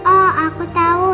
oh aku tahu